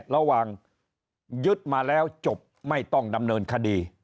ระหว่างยึดมาแล้วจบไม่ต้องดำเนินคดี